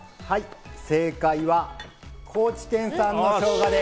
正解は、高知県産のしょうがです。